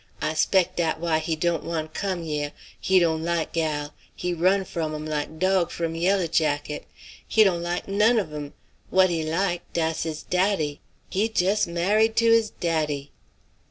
I spec' dat why he dawn't want 'come yeh. He dawn't like gal; he run f'om 'em like dog from yalla jacket. He dawn't like none of 'm. What he like, dass his daddy. He jus' married to his daddy."